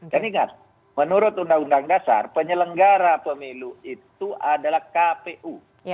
dan ingat menurut undang undang dasar penyelenggara pemilu itu adalah kpu